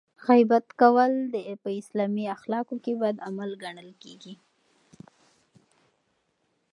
غیبت کول په اسلامي اخلاقو کې بد عمل ګڼل کیږي.